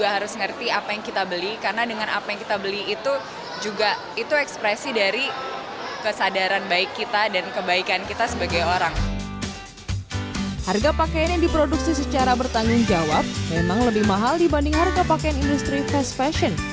harga pakaian yang diproduksi secara bertanggung jawab memang lebih mahal dibanding harga pakaian industri fast fashion